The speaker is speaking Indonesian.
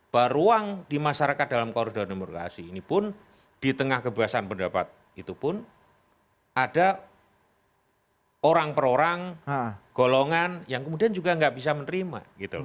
baruang di masyarakat dalam korupsi demokrasi ini pun di tengah kebebasan pendapat itu pun ada orang orang golongan yang kemudian juga tidak bisa menerima